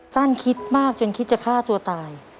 คิดมากจนคิดจะฆ่าตัวตาย